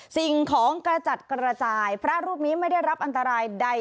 สิ่งของกระจัดกระจายพระรูปนี้ไม่ได้รับอันตรายใด